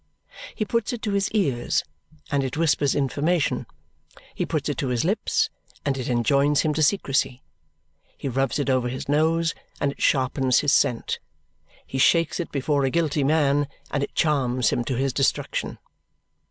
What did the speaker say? He puts it to his ears, and it whispers information; he puts it to his lips, and it enjoins him to secrecy; he rubs it over his nose, and it sharpens his scent; he shakes it before a guilty man, and it charms him to his destruction.